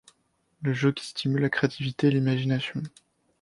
Un jeu qui stimule la créativité et l'imagination.